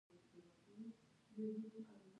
وروسته یې د کیمیاوي رنګ وړونکو موادو په واسطه چاڼوي.